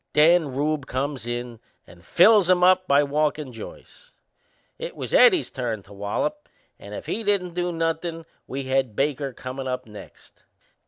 Then Rube comes in and fills 'em up by walkin' Joyce. It was Eddie's turn to wallop and if he didn't do nothin' we had Baker comin' up next.